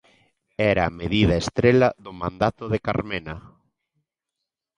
Era a medida estrela do mandato de Carmena.